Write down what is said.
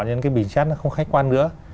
nhưng cái bình xét nó không khách quan nữa